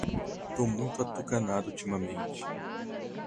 Tô muito atucanado ultimamente